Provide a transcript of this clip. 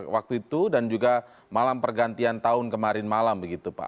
waktu itu dan juga malam pergantian tahun kemarin malam begitu pak